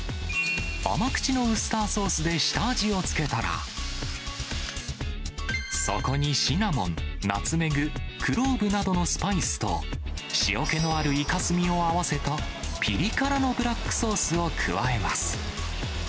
甘口のウスターソースで下味を付けたら、そこにシナモン、ナツメグ、クローブなどのスパイスと、塩気のあるいかすみを合わせたぴり辛のブラックソースを加えます。